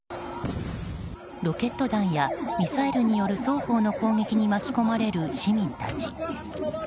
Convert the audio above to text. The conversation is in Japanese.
ロケット弾やミサイルによる双方の攻撃に巻き込まれる市民たち。